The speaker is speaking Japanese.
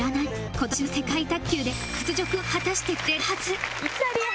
今年の世界卓球で雪辱を果たしてくれるはず。